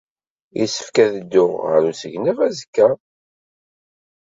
Yessefk ad dduɣ ɣer usegnaf azekka.